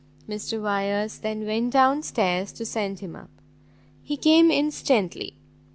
Mr Wyers then went down stairs to send him up. He came instantly.